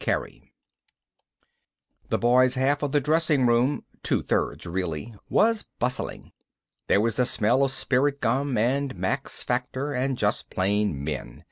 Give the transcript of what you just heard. Cary The boys' half of the dressing room (two thirds really) was bustling. There was the smell of spirit gum and Max Factor and just plain men.